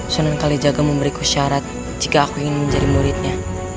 sunan kalijaga memberiku syarat jika aku ingin menjadi muridnya